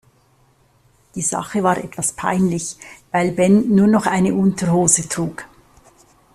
Die Sache war etwas peinlich, weil Ben nur noch eine Unterhose trug.